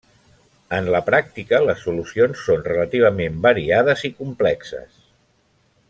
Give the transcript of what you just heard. En la pràctica les solucions són relativament variades i complexes.